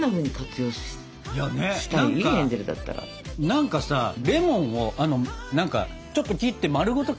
何かさレモンを何かちょっと切って丸ごと